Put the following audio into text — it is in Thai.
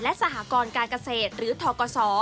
และสหกรการเกษตรหรือทกศ